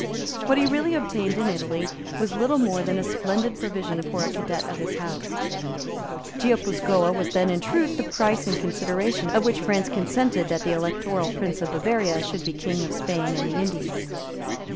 What he really obtained in Italy was little more than a splendid provision for a cadet of his house. Guipuscoa was then in truth the price in consideration of which France consented that the Electoral Prince of Bavaria should be King of Spain and the Indies.